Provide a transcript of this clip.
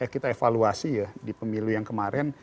kita evaluasi ya di pemilu yang kemarin